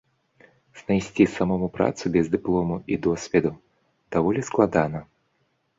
Знайсці самому працу без дыплому і досведу даволі складана.